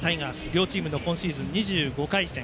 両チームの今シーズン２５回戦。